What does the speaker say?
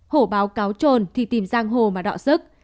hổ báo cáo trồn thì tìm giang hồ mà đọ sức